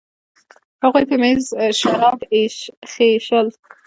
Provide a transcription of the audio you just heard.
هغوی په میز شراب ایشخېشل.